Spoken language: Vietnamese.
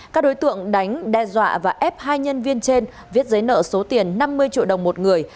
các đối tượng đánh đe dọa và ép hai nhân viên trên viết giấy nợ số tiền năm mươi triệu đồng một người